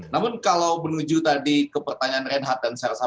namun kalau menuju tadi ke pertanyaan reinhardt dan sersa